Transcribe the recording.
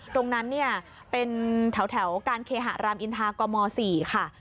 ตรงนั้นเนี่ยเป็นแถวการเคหะรามอินทากม๔ค่ะ